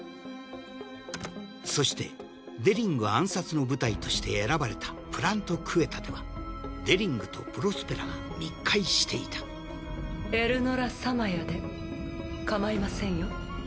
そしてデリング暗殺の舞台として選ばれたプラント・クエタではデリングとプロスペラが密会していたエルノラ・サマヤでかまいませんよ。